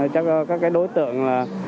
các đối tượng